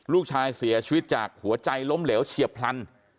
ลูกชายเสียชีวิตจากหัวใจล้มเหลวเฉียบพลัน